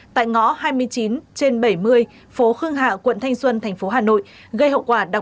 tại ngõ hai mươi chín trên bảy mươi phố khương hạ quận thanh xuân thành phố hà nội